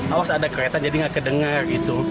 awas ada kereta jadi nggak kedengar gitu